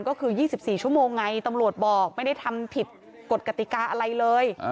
ก็คือ๒๔ชั่วโมงไงตำรวจบอกไม่ได้ทำผิดกฎกติกาอะไรเลย